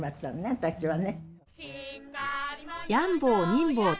私はね。